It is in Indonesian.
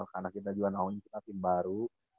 karena kita juga naun kita tim baru